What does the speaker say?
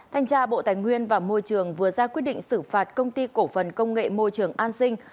thanh tra bộ tài nguyên và môi trường vừa ra quyết định xử phạt công ty cổ phần công nghệ môi trường an sinh